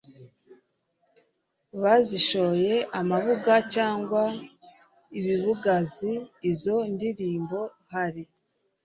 bazishoye amabuga cyangwa ibibugazi Izo ndirimbo hari